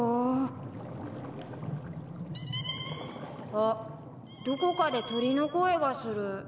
あっどこかで鳥の声がする。